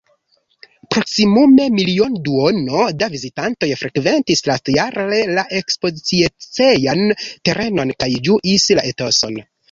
Proksimume milionduono da vizitantoj frekventis lastajare la ekspoziciejan terenon kaj ĝuis la etoson.